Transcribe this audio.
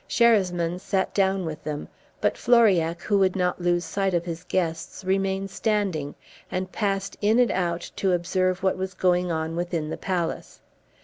Sherasmin sat down with them; but Floriac, who would not lose sight of his guests, remained standing, and passed in and out to observe what was going on within the palace.